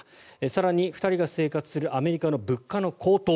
更に、２人が生活するアメリカの物価の高騰。